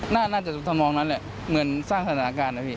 น่าจะทำนองนั้นแหละเหมือนสร้างสถานการณ์นะพี่